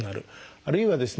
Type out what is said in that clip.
あるいはですね